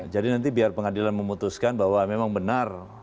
jadi nanti biar pengadilan memutuskan bahwa memang benar